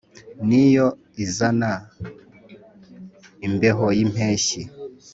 Ni yo izana imbeho y’impeshyi